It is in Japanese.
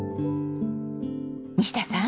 西田さん。